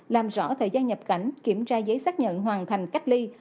làm rõ thời gian nhập cảnh kiểm tra giấy xác nhận hoàn thành cách ly